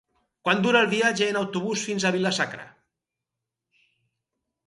Quant dura el viatge en autobús fins a Vila-sacra?